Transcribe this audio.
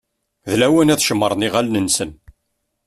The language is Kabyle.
D lawan ad cemmṛen iɣallen-nsen.